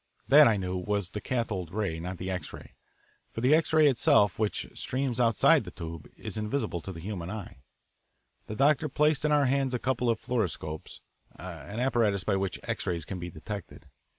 That, I knew, was the cathode ray, not the X ray, for the X ray itself, which streams outside the tube, is invisible to the human eye. The doctor placed in our hands a couple of fluoroscopes, an apparatus by which X rays can be detected.